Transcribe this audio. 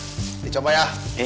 saya kesini gak bawa apa apa